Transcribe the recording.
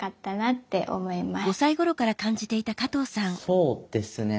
そうですね。